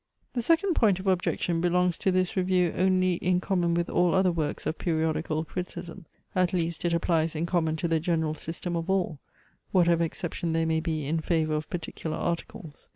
The second point of objection belongs to this review only in common with all other works of periodical criticism: at least, it applies in common to the general system of all, whatever exception there may be in favour of particular articles.